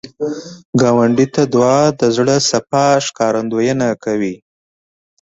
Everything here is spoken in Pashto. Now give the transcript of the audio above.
ګاونډي ته دعا، د زړه صفا ښکارندویي ده